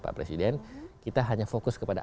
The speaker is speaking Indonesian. pak presiden kita hanya fokus kepada